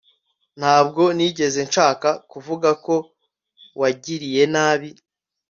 Ntabwo nigeze nshaka kuvuga ko wagiriye nabi